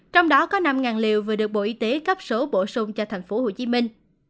trong đó có năm liều vừa được bộ y tế cấp số bổ sung cho thành phố hồ chí minh